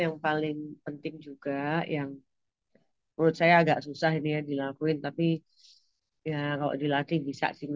yang pertama adalah menarik balik